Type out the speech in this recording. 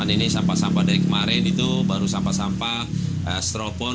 ini sampah sampah dari kemarin itu baru sampah sampah strofon